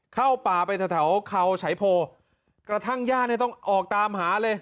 เข้าป่าไปแถวเขาฉายโพกระทั่งญาติเนี่ยต้องออกตามหาเลย